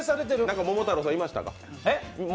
中に桃太郎さんいましたか？